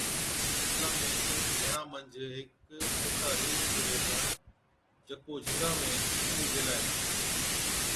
اصلا ۾ اوهچ گھرا منجھ هيڪ موٽا رِينڇ ريهٿا، جڪو جھنگا ۾ گھُمُون گيلا هِلا۔